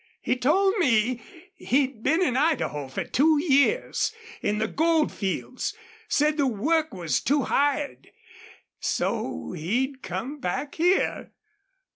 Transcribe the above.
He told me he'd been in Idaho fer two years, in the gold fields. Said the work was too hard, so he'd come back here.